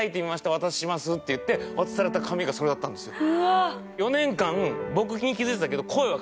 お渡ししますって言って渡された紙がそれだったんですよ。